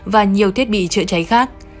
và nhiều thiết bị chữa cháy khác